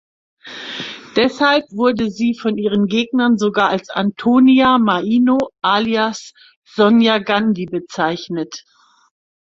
Deshalb wurde sie von ihren Gegnern sogar als "Antonia Maino alias Sonia Gandhi" bezeichnet.